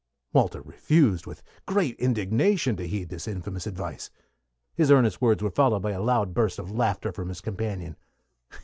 Walter refused, with great indignation, to heed this infamous advice. His earnest words were followed by a loud burst of laughter from his companion.